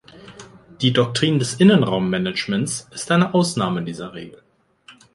Die Doktrin des Innenraum-Managements ist eine Ausnahme dieser Regel.